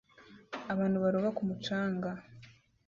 Abantu baroba ku mucanga